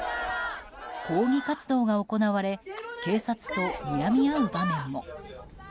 抗議活動が行われ警察とにらみ合う場面も。